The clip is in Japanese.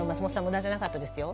無駄じゃなかったですよ。